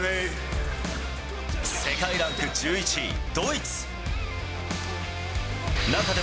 世界ランク１１位、ドイツ。